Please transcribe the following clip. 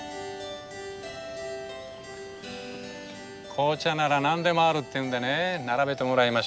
紅茶なら何でもあるっていうんでね並べてもらいました。